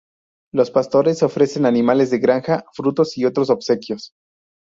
Los pastores ofrecen animales de granja, frutos y otros obsequios.